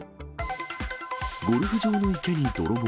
ゴルフ場の池に泥棒。